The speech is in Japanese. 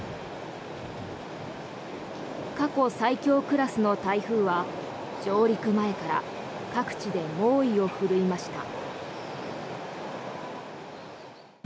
過去最強クラスの台風は上陸前から各地で猛威を振るいました。